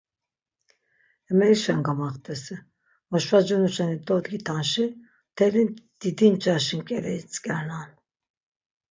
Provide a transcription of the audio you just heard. Emerişen gamaxtesi, moşvacinu şeni dodgitanşi, mteli didi ncaşi ǩele itzǩernan.